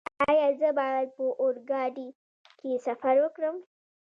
ایا زه باید په اورګاډي کې سفر وکړم؟